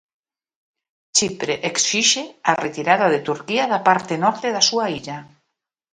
Chipre exixe a retirada de Turquía da parte norte da súa illa.